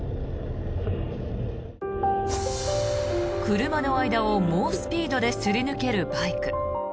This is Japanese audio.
車の間を猛スピードですり抜けるバイク。